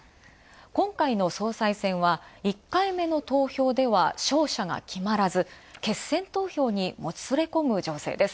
今回の総裁選は１回目の投票では勝者が決まらず決選投票にもつれ込む状況です。